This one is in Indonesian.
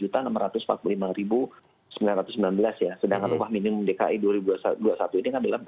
nah di bawah minimum dki dua ribu dua puluh satu ini kan adalah rp empat empat ratus enam belas